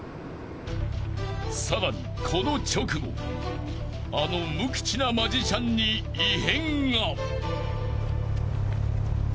［さらにこの直後あの無口なマジシャンに異変が］